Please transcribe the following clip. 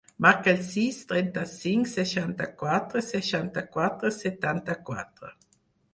Marca el sis, trenta-cinc, seixanta-quatre, seixanta-quatre, setanta-quatre.